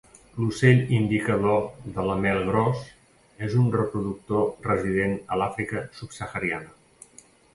L'ocell indicador de la mel gros és un reproductor resident a l'Àfrica subsahariana.